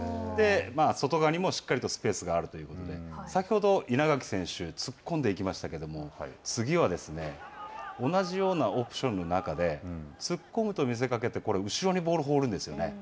外側にもしっかりとスペースがあるということで、先ほど稲垣選手突っ込んでいきましたけれども、次は同じようなオプションの中で突っ込むと見せかけて、後ろにボールを放るんですよね。